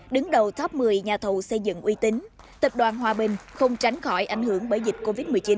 đứng đầu top một mươi nhà thầu xây dựng uy tín tập đoàn hòa bình không tránh khỏi ảnh hưởng bởi dịch covid một mươi chín